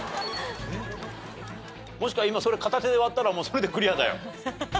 もしくは今それ片手で割ったらもうそれでクリアだよ。